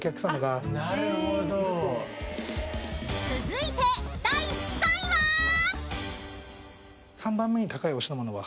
［続いて第３位は？］